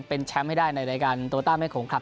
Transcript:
เป็นแชมป์ให้ได้ในรายงานตัวต้ำให้โข่งครับ